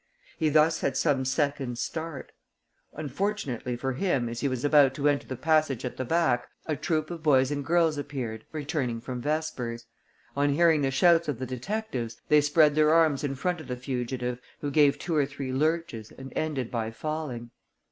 He thus had some seconds' start. Unfortunately for him as he was about to enter the passage at the back, a troop of boys and girls appeared, returning from vespers. On hearing the shouts of the detectives, they spread their arms in front of the fugitive, who gave two or three lurches and ended by falling.